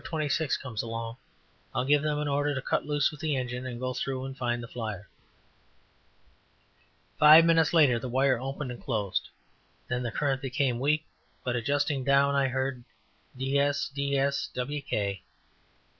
26 comes along, I'll give them an order to cut loose with the engine and go through and find the flyer." Five minutes later the wire opened and closed. Then the current became weak, but adjusting down, I heard, "DS, DS, WK."